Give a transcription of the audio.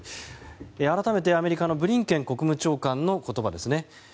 改めてアメリカのブリンケン国務長官の言葉です。